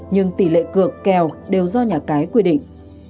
nhưng tỷ lệ cược kèo đều do nhà cái quy định